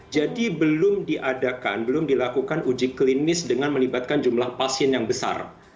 jadi belum diadakan belum dilakukan uji klinis dengan melibatkan jumlah pasien yang besar